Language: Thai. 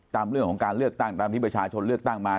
ตามเรื่องของการเลือกตั้งตามที่ประชาชนเลือกตั้งมา